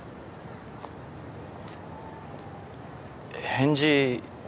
返事